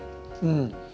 うん。